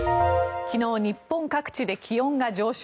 昨日、日本各地で気温が上昇。